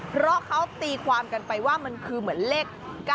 เพราะเขาตีความกันไปว่ามันคือเหมือนเลข๙๙